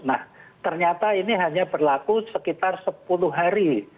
nah ternyata ini hanya berlaku sekitar sepuluh hari